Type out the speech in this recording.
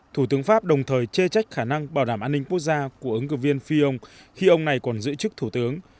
thủ tướng pháp đồng thời chê trách khả năng bảo đảm an ninh quốc gia của ứng cử viên phi ông khi ông này còn giữ chức thủ tướng